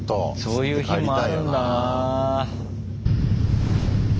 そういう日もあるんだな。